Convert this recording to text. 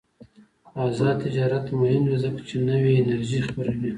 آزاد تجارت مهم دی ځکه چې نوې انرژي خپروي.